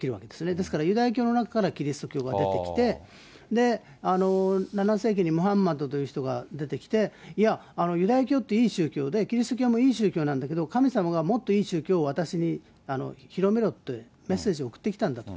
ですから、ユダヤ教の中からキリスト教が出てきて、７世紀にムハンマドという人が出てきて、いや、ユダヤ教っていい宗教で、キリスト教もいい宗教なんだけど、神様がもっといい宗教を私に広めろってメッセージを送ってきたんだと。